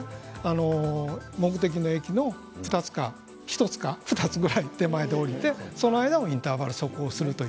目的の駅の１つか２つぐらい手前で降りてその間をインターバル速歩をする。